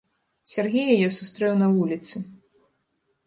Сяргея я сустрэў на вуліцы.